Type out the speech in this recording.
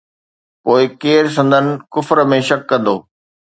پوءِ ڪير سندن ڪفر ۾ شڪ ڪندو؟